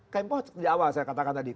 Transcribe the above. tempo di awal saya katakan tadi